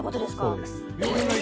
そうです。